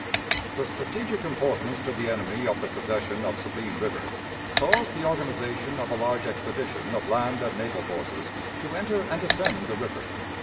The strategic importance to the enemy of the possession of Sabine River caused the organization of a large expedition of land and naval forces to enter and ascend the river.